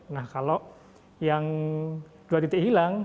nah kalau yang dua titik hilang